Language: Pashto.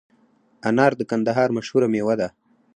انار د کندهار مشهوره مېوه ده